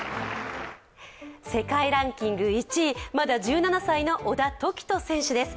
世界ランキング１位、まだ１７歳の小田凱人選手です。